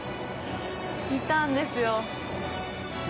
いたんですよ。